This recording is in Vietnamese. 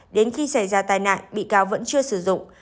đến khi xảy ra tai nạn bị cáo vẫn chưa sử dụng